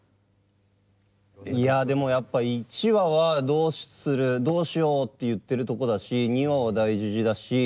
いやでもやっぱ１話はどうするどうしようって言ってるとこだし２話は大樹寺だし